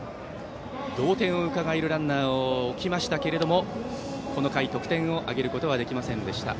同点をうかがえるランナーを置きましたがこの回、得点を挙げることはできませんでした。